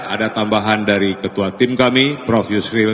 ada tambahan dari ketua tim kami prof yusril